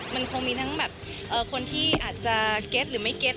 มันคงมีทั้งแบบคนที่อาจจะเก็ตหรือไม่เก็ต